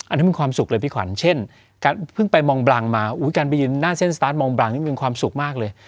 อันนี้เป็นความสุขเลยพี่ขวัญเช่นการเพิ่งไปมองบรังมาการไปยืนหน้าเส้นสตาร์ทมองบรังนี่เป็นความสุขมากเลย